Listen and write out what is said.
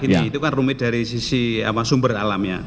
itu kan rumit dari sisi sumber alamnya